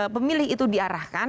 pemilih itu diarah